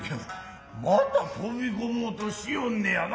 また飛び込もうとしよんねやな。